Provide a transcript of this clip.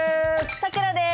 さくらです。